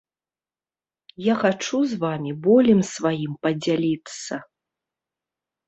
Я хачу з вамі болем сваім падзяліцца.